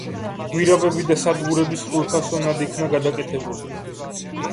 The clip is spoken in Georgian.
გვირაბები და სადგურები სრულფასოვნად იქნა გადაკეთებული.